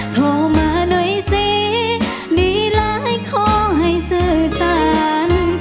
โทรมาหน่อยสิมีหลายข้อให้สื่อสาร